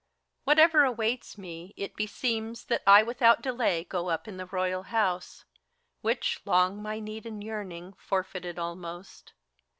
Whatever awaits me, it beseems That I without delay go up in the Royal House, Which, long my need and yearning, forfeited almost.